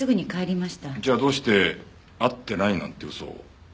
じゃあどうして会ってないなんて嘘を？